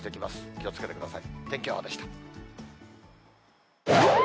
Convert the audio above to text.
気をつけてください。